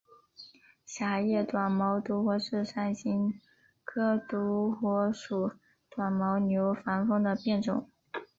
狭叶短毛独活是伞形科独活属短毛牛防风的变种。